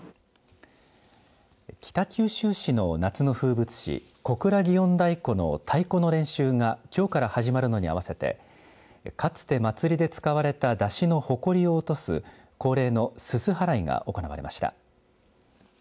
北九州市の夏の風物詩小倉祇園太鼓の太鼓の練習がきょうから始まるのに合わせてかつて祭りで使われた山車のほこりを落とす恒例のすす払いが行われました。